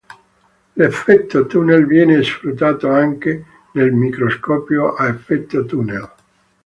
L'effetto tunnel viene sfruttato anche nel microscopio a effetto tunnel.